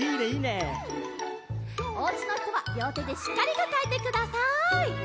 おうちのひとはりょうてでしっかりかかえてください。